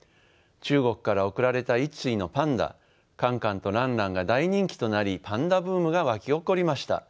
中国から贈られた一対のパンダカンカンとランランが大人気となりパンダブームが沸き起こりました。